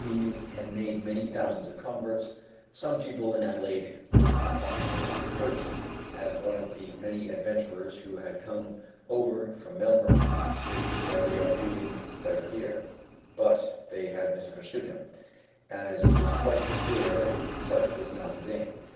He had made many thousands of converts. Some people in Adelaide looked upon him at first as one of the many adventurers who had come over from Melbourne with the idea of doing better here; but they had misunderstood him, as it was quite clear such was not his aim.